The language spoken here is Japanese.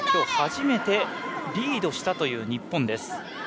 きょう初めてリードしたという日本。